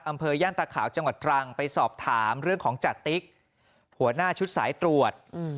ย่านตาขาวจังหวัดตรังไปสอบถามเรื่องของจติ๊กหัวหน้าชุดสายตรวจ